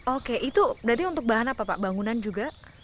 oke itu berarti untuk bahan apa pak bangunan juga